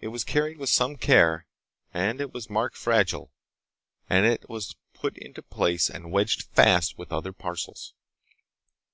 It was carried with some care, and it was marked fragile, and it was put into place and wedged fast with other parcels.